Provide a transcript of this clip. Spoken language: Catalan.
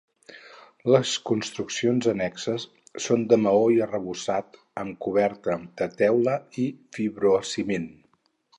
Les construccions annexes són de maó i arrebossat amb coberta de teula i fibrociment.